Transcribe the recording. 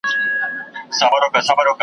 شپه او ورځ مي په خوارۍ دئ ځان وژلى .